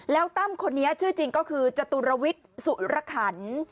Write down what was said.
แล้วตั้มคนนี้ชื่อจริงก็คือจตุรวิทย์สุรขัน